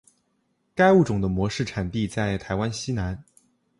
该物种的模式产地在台湾西南。